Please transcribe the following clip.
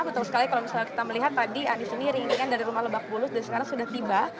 betul sekali kalau misalnya kita melihat tadi di sini ringinan dari rumah lebak bulus dan sekarang sudah tiba